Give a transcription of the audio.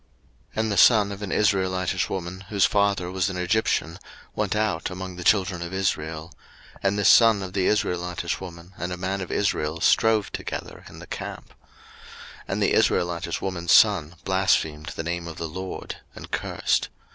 03:024:010 And the son of an Israelitish woman, whose father was an Egyptian, went out among the children of Israel: and this son of the Israelitish woman and a man of Israel strove together in the camp; 03:024:011 And the Israelitish woman's son blasphemed the name of the Lord, and cursed.